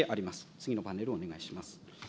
次のパネルをお願いします。